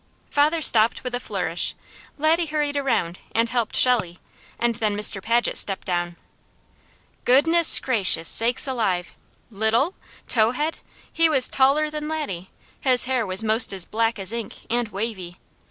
Father stopped with a flourish, Laddie hurried around and helped Shelley, and then Mr. Paget stepped down. Goodness, gracious, sakes alive! Little? Towhead? He was taller than Laddie. His hair was most as black as ink, and wavy.